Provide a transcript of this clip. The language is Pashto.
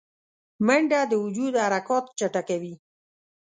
منډه د وجود حرکات چټکوي